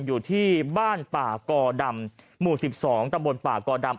อยู่ที่บ้านป่ากอดำหมู่๑๒ตำบลป่ากอดำ